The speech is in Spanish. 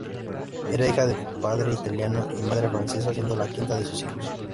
Era hija de padre italiano y madre francesa, siendo la quinta de sus hijos.